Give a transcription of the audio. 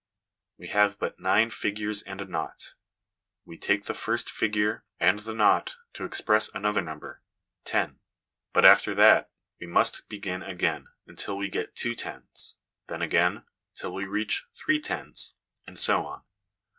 We have but nine figures and a nought : we take the first figure and the nought to express another number, ten ; but after that we must begin again until we get two tens, then, again, till we reach three tens, and so on.